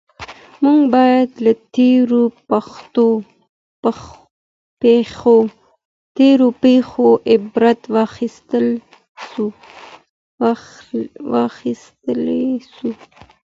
موږ باید له تېرو پېښو عبرت واخیستل سو.